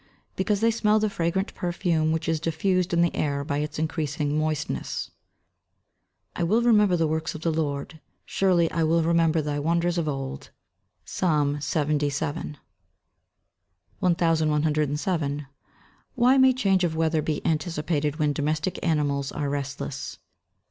_ Because they smell the fragrant perfume which is diffused in the air by its increasing moistness. [Verse: "I will remember the works of the Lord: Surely I will remember thy wonders of old." PSALM LXXVII.] 1107. _Why may change of weather be anticipated when domestic animals are restless?